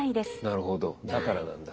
なるほどだからなんだ。